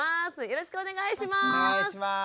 よろしくお願いします。